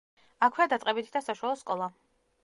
აქვეა დაწყებითი და საშუალო სკოლა.